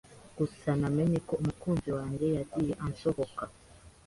Gusa namenye ko umukunzi wanjye yagiye ansohoka.